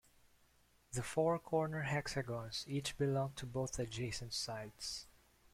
The four corner hexagons each belong to both adjacent sides.